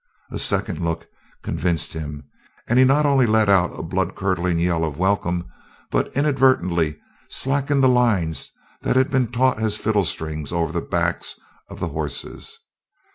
A second look convinced him, and he not only let out a bloodcurdling yell of welcome, but inadvertently slackened the lines that had been taut as fiddle strings over the backs of the horses.